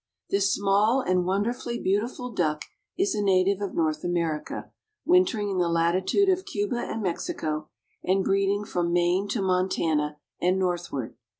_) This small and wonderfully beautiful duck is a native of North America, wintering in the latitude of Cuba and Mexico and breeding from Maine to Montana and northward.